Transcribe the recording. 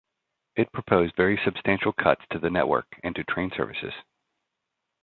It proposed very substantial cuts to the network and to train services.